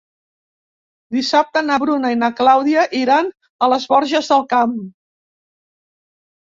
Dissabte na Bruna i na Clàudia iran a les Borges del Camp.